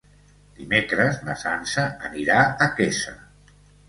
Dimecres na Sança anirà a Quesa.